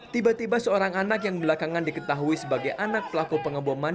tiba tiba seorang anak yang belakangan diketahui sebagai anak pelaku pengeboman